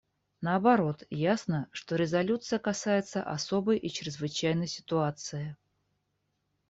Наоборот, ясно, что резолюция касается особой и чрезвычайной ситуации.